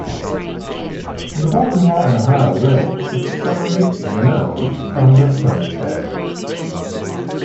The Baltimore and Ohio Railroad separates The Nose from the Potomac's edge.